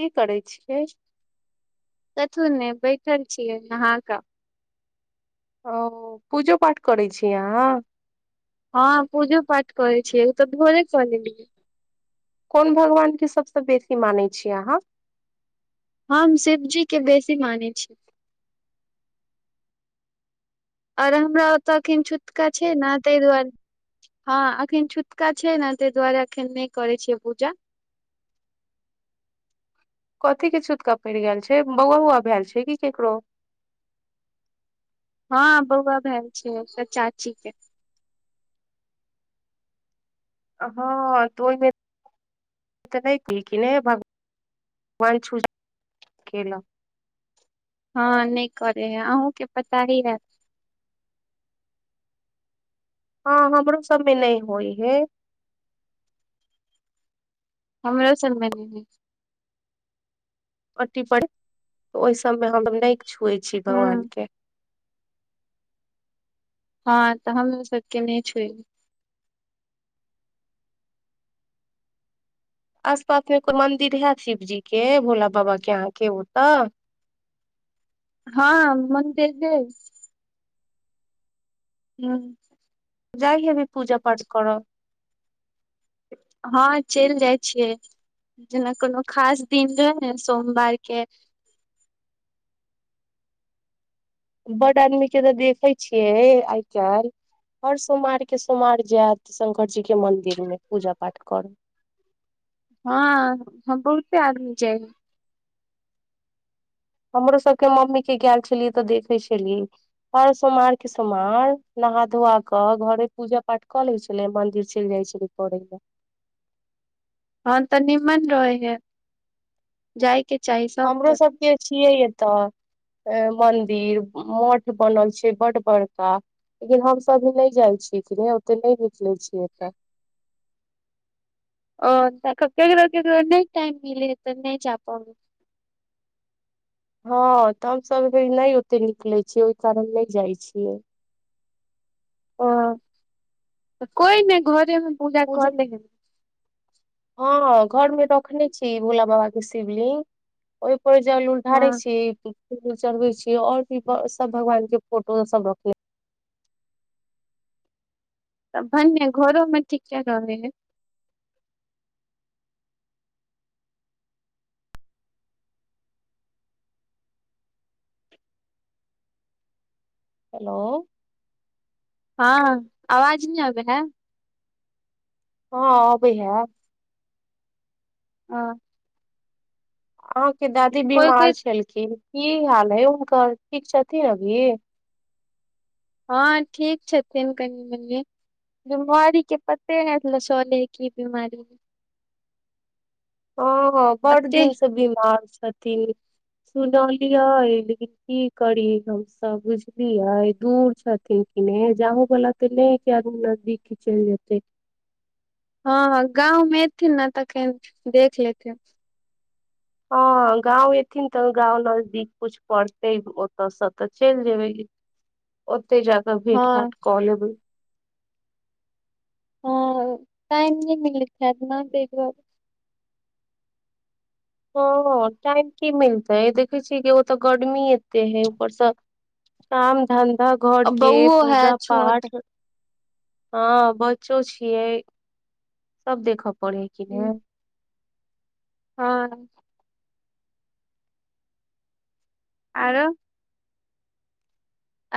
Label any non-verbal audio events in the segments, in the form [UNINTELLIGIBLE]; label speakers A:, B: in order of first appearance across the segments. A: की करै छियै
B: देखथून ने बैठल छियै नहा कऽ
A: ओ पूजो पाठ करै छियै अहाँ
B: हँ पूजो पाठ करै छियै उ तऽ भोरे कऽ लेलियै
A: कोन भगवानके सभसँ बेसी मानै छियै अहाँ
B: हम शिवजीके बेसी मानै छी आओर हमरा ओतय एखन छूतका छै ने तहि दुआरे हँ एखन छूतका छै ने तहि दुआरे एखन नहि करै छियै पूजा
A: कथि के छूतका पड़ि गेल छै बौआ उौआ भाएल छै की केकरो
B: हँ बौआ भाएल छै चाची के
A: हँ तऽ ओहिमे तऽ नहि [UNINTELLIGIBLE] हे भगवान भगवान छू केलक
B: हँ नहि करै हइ अहूँके पता ही हायत
A: हँ हमरो सभमे नहि होइ हइ
B: हमरो सभ मे नहि होइ छै
A: ओटी पर ओहि सबमे हम नहि छुयै छी भगवान
B: हुं
A: के
B: हँ तऽ हमहूँ सबके नहि छुए
A: आस पासमे कोइ मंन्दिर है शिवजी के भोला बाबाके अहाँके ओतऽ
B: हँ मन्दिर दै- हूँ
A: जाइ हबी पूजा पाठ करऽ
B: हँ चलि जाइ छियै जेना कोनो खास दिन रहै न सोमवारके
A: बड्ड आदमीके तऽ देखै छियै आइ काल्हि हर सोमारके सोमवार जायत शङ्करजीके मन्दिरमे पूजा पाठ करऽ
B: हँ हम बहुते आदमी जाइ हइ
A: हमरो सभके मम्मीके गैल छलियै तऽ देखै छलियै हर सोमारके सोमार नहा धोआ कऽ घरे पूजा पाठ कऽ लै छलै मन्दिर चलि जाइ छलै करै ला
B: हँ तऽ निम्मन रहै हइ जाइ के चाही सबके
A: छियै एतऽ मन्दिर मठ बनल छै बड बड़का लेकिन हमसभ भी नहि जाइ छियै ओते नहि निकलै छियै एत
B: ह तऽ ककरो ककरो नहि टाइम मिले तऽ नहि जा प
A: हँ तऽ हमसभ नहि ओते निकलै छियै ओहि कारण नहि जाइ छियै
B: ओ कोई नहि घरेमे पूजा
A: पूज
B: कऽ लिहन
A: हँ घर मे रखने छी भोला बा के शिवलिंग ओहि पर जल उल ढारै
B: हँ
A: छी चढ़बै छियै आओर भी सभ भगवानके फोटो सब रखने
B: तऽ भन्ने घरोमे ठीके रहै है
A: हेलो
B: हँ आवाज नहि आबै है
A: हँ अबै है
B: ह
A: अहाँके दादी
B: कोइ
A: बीमार छलखिन की हाल है हुनकर ठीक छथिन अभी
B: हँ ठीक छथिन कनि मनि बमारीके पते नहि चलै हइ कि बिमारी
A: ओ बड्ड
B: एते
A: दिन से बीमार छै छथिन सुनलियै लेकिन की करी हमस बुझलियै दूर छथिन कि नहि जाहोवाला तऽ नहि कि नजदीक ही चलि जेतै
B: हँ गाँवमे एथिन ने तखन देख लेथिन
A: हँ गाँं एथिन तऽ गाँंव नजदीक कुछ पड़तै ओतऽसँ तऽ चलि जेबै ओतय जा कऽ भेंट
B: हँ
A: घांट कऽ लेबै
B: हँ टाइम नहि मिलैत हैत ना तै दुआरे
A: ह टाइम की मिलतै देखे छियै कि ओ तऽ गर्मी एते है ऊपरसँ काम धन धा घर के
B: बौओ है
A: पूजा
B: छोट
A: पाठ हँ बच्चो छियै सब देखऽ पड़ै कि ने
B: हँ आरो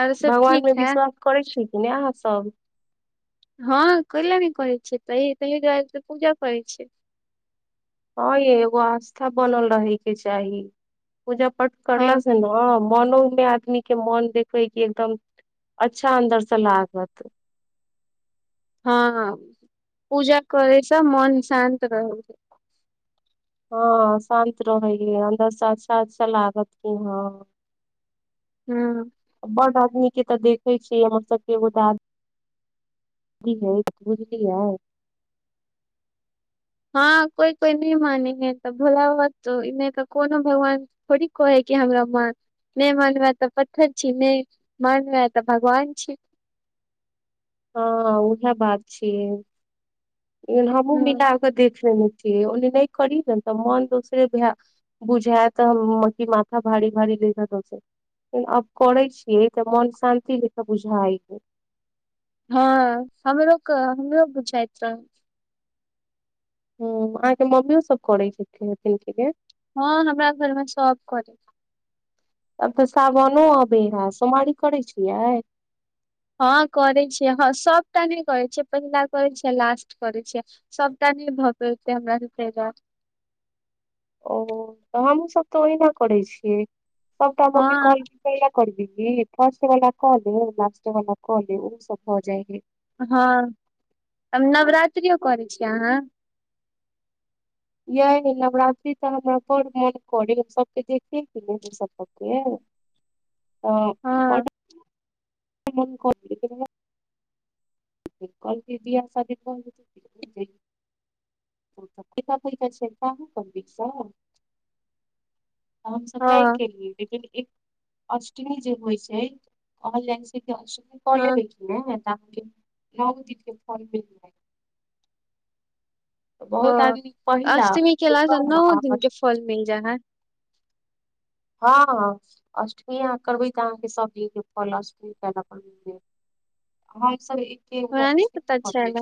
B: आरो सब ठीक
A: भगवानमे
B: है
A: विश्वास करै छी कि नहि आहाँ सब
B: हँ कएलै नहि करै छै तऽ तहि दुआरे तऽ पूजा करै छ
A: हँ यै एगो आस्था बनल रहयके चाही पूजा पाठ
B: हँ
A: करला से ने मन मनो मे आदमी के मोन देखबै की एकदम अच्छा अन्दर से लागत
B: हँ पूजा करैसँ मन शान्त रहै
A: हँ शान्त रहै हइ अन्दरसँ अच्छा अच्छा लागत की हँ
B: हूँ
A: बड आदमी के तऽ देखै छियै मतलब एगो [UNINTELLIGIBLE] की हइ बुझलीयै
B: हँ कोइ कोइ नहि मान हइ तऽ भोला बाबा त इने त कोनो भगवान थोड़ी कहै कि हमरा मान नहि मानवै तऽ प्थर छी नहि मानवै तऽ भगवान छी
A: हँ उहाए बात छियै हमहूँ
B: हँ
A: मिलाक देख लेने ओने नहि करी ने तऽ मन दोसरे बुझाय तऽ म-माथा भारी भारी ले- लेकिन अब करै छियै तऽ मन शान्ति जंका बुझाइ हइ
B: हँ हमरो क हमरो बुझाइत रहै
A: हूँ अहाँके मम्मियो सब करै छथिन हथिन के
B: हँ हमरा घरमे सब करै
A: तब तऽ सावनो आबै है सोमारी करै छियै
B: हँ करै छियै हँ सभटा नहि करै छियै पहिला करै छियै लास्ट करै छियै सभटा नहि भऽ पतै हमरा
A: ओ तऽ हमहुँसभ तऽ ओहिना करै छियै सबटा मम्मी
B: हँ
A: कहलकै कहिला करबिहीं फर्स्ट वला के लेब लास्ट वला क लेब ओहि स भ जाइ हइ
B: हँ अब नवरात्रिओ करै छी अहाँ
A: यैय नवरात्रि तऽ हमरा बड़ मोन करै हम सभके देखेके [UNINTELLIGIBLE] तऽ
B: हँ
A: बड्ड [UNINTELLIGIBLE] कलके बिआह शादी [UNINTELLIGIBLE] [UNINTELLIGIBLE] तऽ हमसभ नहि
B: हँ
A: केलियै लेकिन एक अष्टमी जे होइ छै कहल जाइ छै [UNINTELLIGIBLE] [UNINTELLIGIBLE] फल
B: हँ
A: मिल जाइ हइ
B: ओ अष्टमी केलासँ
A: एकदम
B: नओ
A: आ
B: दिन
A: अष्ट-
B: के फल मिल जाइ हइ
A: हँ अष्टमी अहाँ करबै तऽ अहाँके सब चीज के फल अष्टमी केला पर मिल जाएत हम सभ
B: हमरा नहि पता छले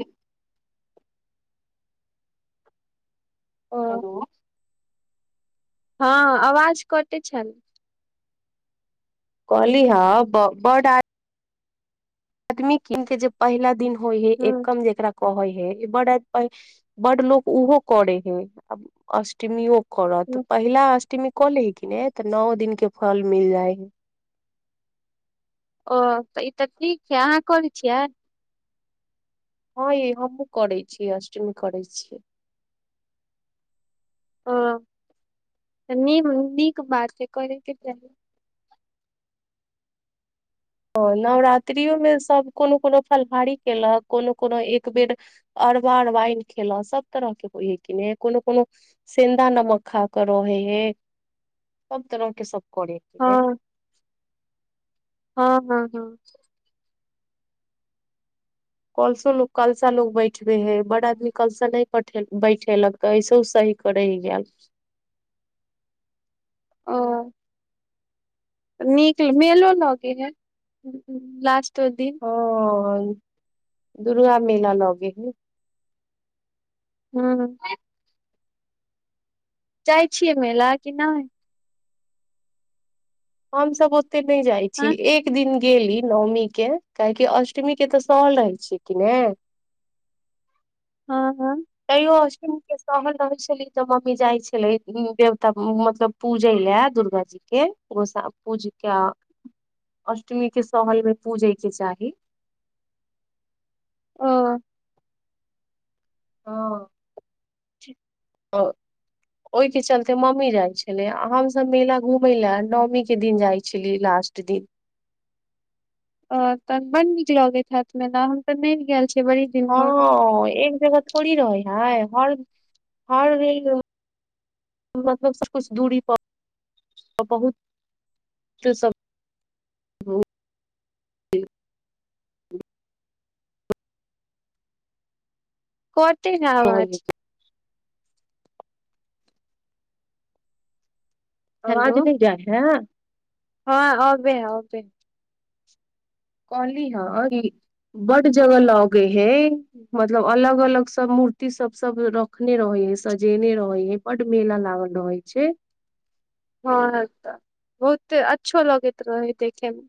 A: [UNINTELLIGIBLE] [UNINTELLIGIBLE]
B: ओ
A: हेलो
B: हँ अवाज कटे छालह
A: कहली हँ ब-बड आ- आदमी किन के जे पहिला दिन होइ हइ
B: ह
A: एकम जेकरा कहै हइ बड-बड्ड लोको उहो करै हइ आ अष्टमीयौ करऽत पहिला अष्ट- अष्ट्मी क लै हइ की ने तऽ नओ दिन के फल मिल जाय हइ
B: ओ तऽ ई तऽ ठीक छै अहाँ करै छियै
A: हँ यै हमहूँ करै छियै अष्टमी करै छियै
B: हँ त नीक नीक बात छै करैके चाही
A: हँ नवरात्रिोमे सभ कोनो कोनो फलाहारी केलक कोनो कोनो एक बेर अरबा अरबाइन खेलक सभ तरहके होइ हइ की नेे कोनो कोनो सेन्दा नमक खा कऽ रहै हइ सभ तरहके सभ करै
B: हँ
A: छै
B: हँ हँ हँ
A: कलसो लोक कलसा लोक बैठबै हइ बड आदमी कलसा नहि बैठ-बैठेलक तऽ ऐसो सहै क रहि गैल
B: ओ नीक मेलो लगै हइ लास्ट
A: हँ दुर्गा मेला लगै हइ
B: हूँ जाइ छियै मेला की नहि
A: हम सभ ओ- -त्ते नहि जाइ छी
B: हँ
A: एक दिन गेली नौमी के काहेकि अष्टमी के तऽ सहल रहै छियै की ने
B: हँ हँ
A: तैयो अष्टमीके सहल रहै छली तऽ मम्मी जाइ छलै देवता मतलब पूजय लाए दुर्गाजीके गोसा पूजि कऽ अष्टमीके सहलमे पूजयके चाही
B: हँ
A: हँ
B: ठीक
A: आ-ओहिके चलते मम्मी जाइ छलै आ हमसभ मेला घूमय लाऽ नऽमीके दिन जाइ छलियै लास्ट दिन
B: अ-तऽ बड्ड नीक लगैत हाएत मेला हम तऽ नहि गेल छी
A: हँ-अ ए- -क जगह थोड़ी रहै हइ हर -हर मतलब सब कुछ दूरी पर बहुत सब-
B: कत- -है आवाज
A: है। आवाज
B: हेलो
A: नहि जाइ है
B: हँ आबै है अबे
A: कहली हँ कि बड्ड जगह लागै हइ मतलब अलग अलग सब मूर्ति सब सब रखने रहे हइ सजेने रहै हइ बड्ड मेला लागल रहै छै
B: हँ तऽ बहुते अच्छो लगैत रहै देखेमे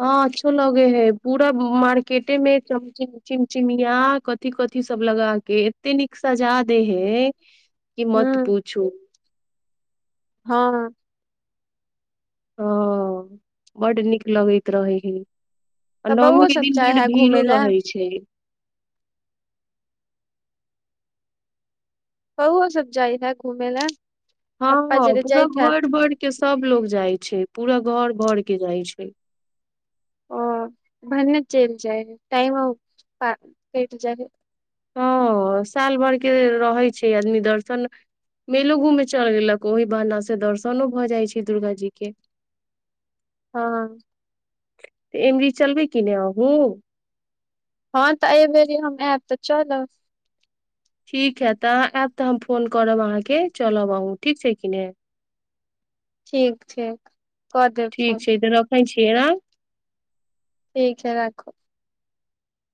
A: हँ अच्छो लगै हइ पूरा मार्केटे मे चमिम चिमचिमिया कथि कथि सब लगा के एते नीक सजा दै हइ की मत
B: ह
A: पुछू
B: हँ
A: हँ बड्ड नीक लगैत रहै हइ आ
B: तऽ
A: नओमी
B: बौओ
A: के
B: सब
A: दिन
B: जाइ
A: बड्ड
B: है
A: भीड़ो
B: घूमे लए
A: रहैत छै
B: बौओ सब जाइ है घूमे लाए
A: हँ पूरा घर बर के सभ लोग जाइ छै पूरा घर भरऽ के जाइ छै
B: ओ भनने चल जाइ हइ टाइमो का-कटि जाइ हइ
A: हँ साल भर के रहै छै आदमी दर्शन मेलो घूमे चल गेलक ओहि बहाने स दर्शनो भऽ जाइ छै दुर्गा जी के
B: हँ
A: तऽ एमरी चलबै की ने अंहूँ
B: हँ तऽ एबेरी हम आयब तऽ चलब
A: ठीक है तऽ अहाँ आयब तऽ हम फोन करब अहाँके चलब अहूँ ठीक छै की ने
B: ठीक ठीक कऽ देब
A: ठीक
B: फोन
A: छै [UNINTELLIGIBLE]
B: ठीक छै राखू